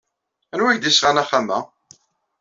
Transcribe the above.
Anwa ay ak-d-yesɣan axxam-a?